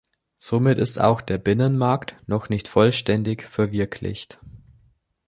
Somit ist auch der Binnenmarkt noch nicht vollständig verwirklicht.